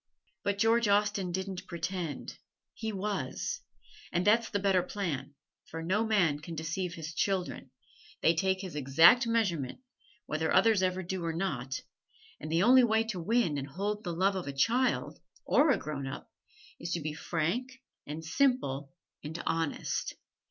But George Austen didn't pretend he was. And that's the better plan, for no man can deceive his children they take his exact measurement, whether others ever do or not and the only way to win and hold the love of a child (or a grown up) is to be frank and simple and honest.